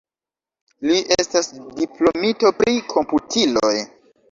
Li estas diplomito pri komputiloj.